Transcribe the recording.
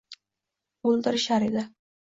O’ldirishar endi